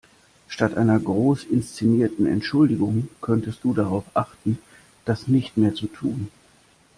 Statt einer groß inszenierten Entschuldigung könntest du darauf achten, das nicht mehr zu tun.